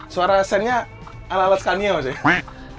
suara sendnya ala ala scania mas ya